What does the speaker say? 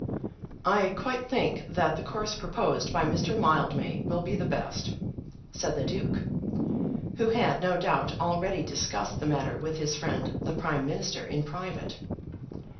"I quite think that the course proposed by Mr. Mildmay will be the best," said the Duke, who had no doubt already discussed the matter with his friend the Prime Minister in private.